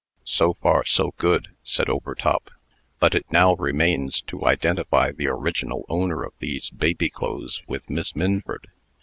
"So far, so good," said Overtop; "but it now remains to identify the original owner of these baby clothes with Miss Minford.